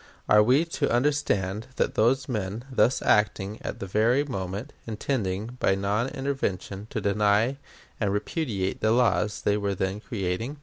Are we to understand that those men, thus acting at the very moment, intended by non intervention to deny and repudiate the laws they were then creating?